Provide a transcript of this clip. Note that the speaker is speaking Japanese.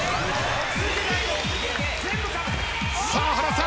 さあ原さん！